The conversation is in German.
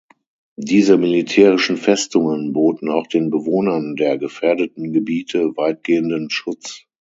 Diese militärischen Festungen boten auch den Bewohnern der gefährdeten Gebiete weitgehenden Schutz.